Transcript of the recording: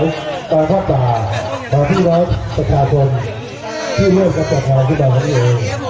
ด้วยตามที่ปฏิบัติคิดคิดบ้านให้มีความโชคสำหรับพวกเรา